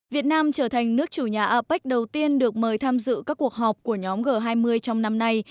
việt nam trở thành nước chủ nhà apec đầu tiên được mời tham dự các cuộc họp của nhóm g hai mươi trong năm nay